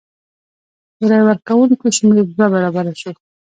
د رای ورکوونکو شمېر دوه برابره شو.